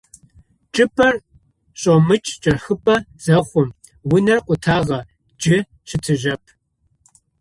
Чӏыпӏэр шӏомыкӏ чӏэхыпӏэ зэхъум: унэр къутагъэ, джы щытыжьэп.